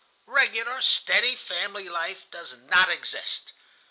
"Regular, steady family life does not exist.